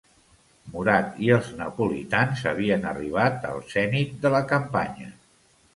Murat i els napolitans havien arribat al zenit de la campanya.